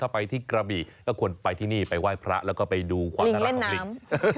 ถ้าไปที่กระบี่ก็ควรไปที่นี่ไปไหว้พระแล้วก็ไปดูความน่ารักของลิง